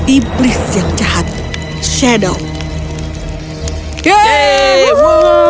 iblis yang jahat shadow